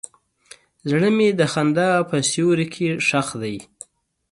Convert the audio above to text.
زړه مې د خندا په سیوري کې ښخ دی.